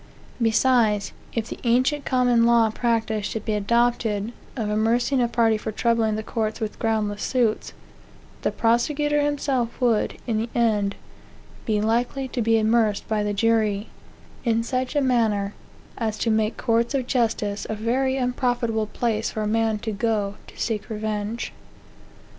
Besides, if the ancient common law practice should be adopted, of amercing a party for troubling the courts with groundless suits, the prosecutor himself would, in the end, be likely to be amerced by the jury, in such a manner as to make courts of justice a very unproitable place for a man to go to seek revenge.